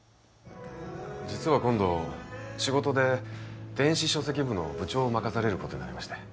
実は今度仕事で電子書籍部の部長を任されることになりまして。